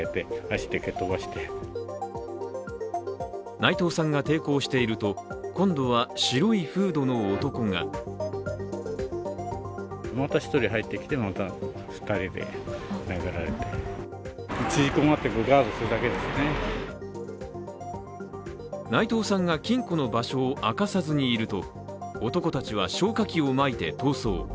内藤さんが抵抗していると今度は、白いフードの男が内藤さんが金庫の場所を明かさずにいると男たちは消火器をまいて逃走。